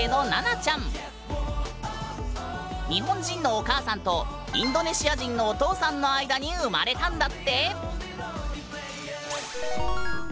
日本人のお母さんとインドネシア人のお父さんの間に生まれたんだって。